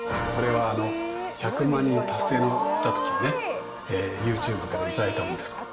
これは１００万人達成したときにね、ユーチューブから頂いたものです。